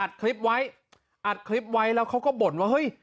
อัดคลิปไว้อัดคลิปไว้แล้วเขาก็บ่นว่าเฮ้ย